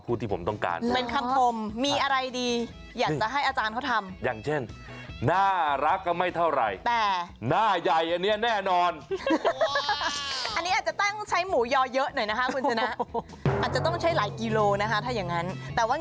จะโทรไปสั่งไม่ได้แค่สั่งหมูยอหนา